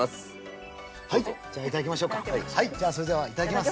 じゃあそれではいただきます！